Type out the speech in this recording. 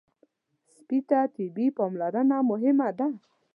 سپي ته طبي پاملرنه مهمه ده.